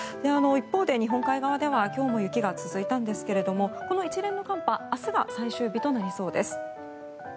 一方で日本海側では今日も雪が続いたんですがこの一連の寒波明日は最終日となりそうです。